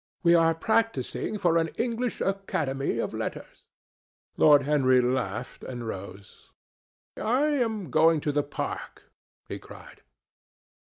We are practising for an English Academy of Letters." Lord Henry laughed and rose. "I am going to the park," he cried.